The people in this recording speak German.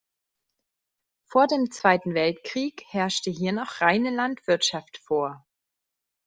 Vor dem Zweiten Weltkrieg herrschte hier noch reine Landwirtschaft vor.